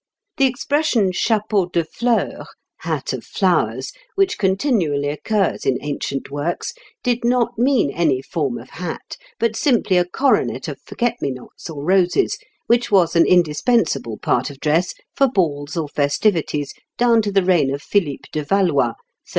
The expression chapeau de fleurs (hat of flowers), which continually occurs in ancient works, did not mean any form of hat, but simply a coronet of forget me nots or roses, which was an indispensable part of dress for balls or festivities down to the reign of Philippe de Valois (1347).